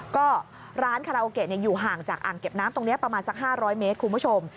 ก็ร้านคาราโอเกะอยู่ห่างจากอ่างเก็บน้ำตรงนี้ประมาณสัก๕๐๐เมตรคุณผู้ชม